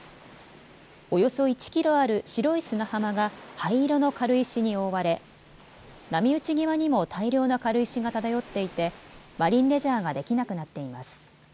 およそ１キロある白い砂浜が灰色の軽石に覆われ波打ち際にも大量の軽石が漂っていてマリンレジャーができなくなっています。